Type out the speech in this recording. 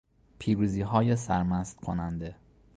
پیروزیهای سرمست کننده